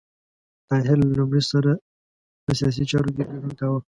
طاهر له لومړي سره په سیاسي چارو کې ګډون کاوه.